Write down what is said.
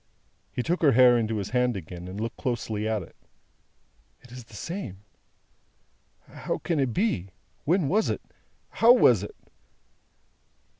He took her hair into his hand again, and looked closely at it. "It is the same. How can it be! When was it! How was it!"